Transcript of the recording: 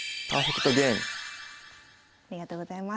ありがとうございます。